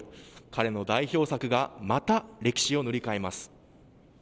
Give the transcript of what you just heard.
彼の代表作がまた歴史を塗り替えます。